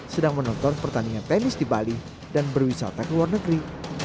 sedang menonton pertandingan tenis di bali dan berwisata ke luar negeri